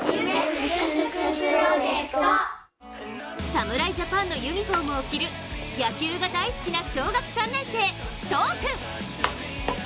侍ジャパンのユニフォームを着る野球が大好きな小学３年生、都宇君。